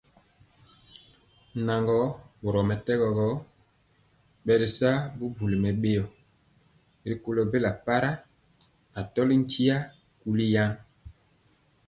Naŋgɔɔ, boromɛtɛgɔ gɔ, bɛritya bubuli mɛbéo rikɔlɔ bela para, atɔli ntia kuli.